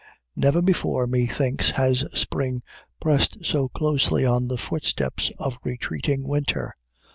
Never before, methinks, has spring pressed so closely on the footsteps of retreating winter.